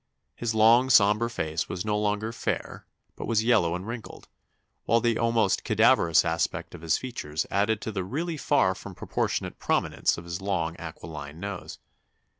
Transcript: His long, sombre face was no longer 'fair,' but was yellow and wrinkled, while the almost cadaverous aspect of his features added to the really far from proportionate prominence of his long, aquiline nose.